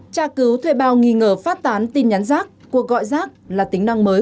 trà cứu thuê bao nghi ngờ phát tán tin nhắn giác cuộc gọi giác là tính năng mới